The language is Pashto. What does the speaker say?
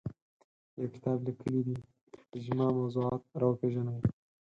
یو کتاب لیکلی دی اجماع موضوعات راوپېژني